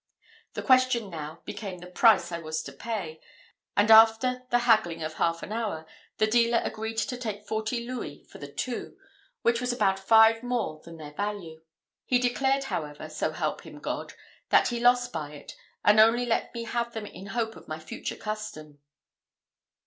The question now became the price I was to pay, and after the haggling of half an hour, the dealer agreed to take forty louis for the two, which was about five more than their value. He declared, however, so help him God, that he lost by it, and only let me have them in hope of my future custom.